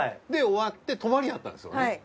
で終わって泊まりやったんですよね。